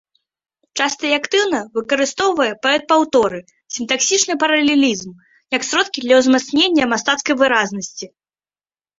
Часта і актыўна выкарыстоўвае паэт паўторы, сінтаксічны паралелізм, як сродкі для ўзмацнення мастацкай выразнасці.